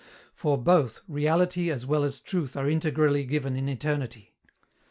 _For both, reality as well as truth are integrally given in eternity.